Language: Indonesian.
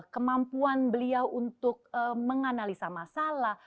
kemampuan beliau untuk menganalisa masalah